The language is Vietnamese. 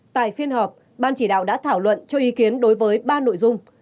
tại phiên họp ban chỉ đạo đã thảo luận cho ý kiến đối với ba nội dung